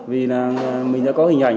vì là mình đã có hình ảnh